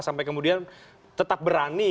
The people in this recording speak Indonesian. sampai kemudian tetap berani